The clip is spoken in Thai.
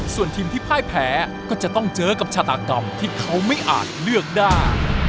ส่วนทีมที่พ่ายแพ้ก็จะต้องเจอกับชาตากรรมที่เขาไม่อาจเลือกได้